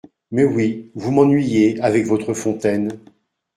Mais oui… vous m’ennuyez avec votre fontaine !…